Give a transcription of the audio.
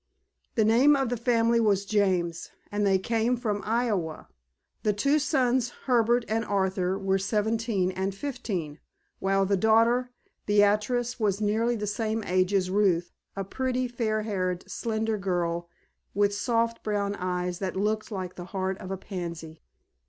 The name of the family was James, and they came from Iowa. The two sons, Herbert and Arthur, were seventeen and fifteen, while the daughter, Beatrice, was nearly the same age as Ruth, a pretty, fair haired, slender girl, with soft brown eyes that looked like the heart of a pansy.